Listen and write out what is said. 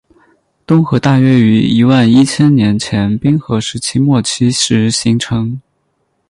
东河大约于一万一千年前冰河时期末期时形成。